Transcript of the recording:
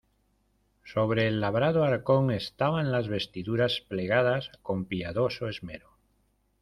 sobre labrado arcón estaban las vestiduras plegadas con piadoso esmero.